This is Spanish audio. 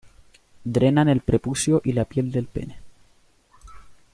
Drenan el prepucio y la piel del pene.